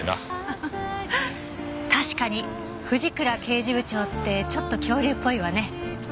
確かに藤倉刑事部長ってちょっと恐竜っぽいわね。